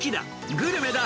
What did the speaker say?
グルメだ！